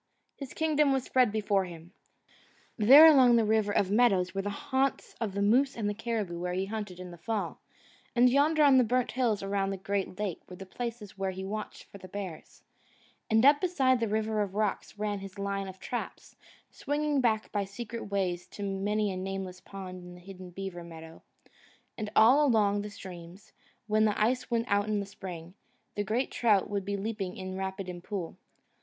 His kingdom was spread before him. There along the River of Meadows were the haunts of the moose and the caribou where he hunted in the fall; and yonder on the burnt hills around the great lake were the places where he watched for the bears; and up beside the River of Rocks ran his line of traps, swinging back by secret ways to many a nameless pond and hidden beaver meadow; and all along the streams, when the ice went out in the spring, the great trout would be leaping in rapid and pool.